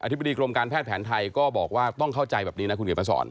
ธิบดีกรมการแพทย์แผนไทยก็บอกว่าต้องเข้าใจแบบนี้นะคุณเขียนมาสอน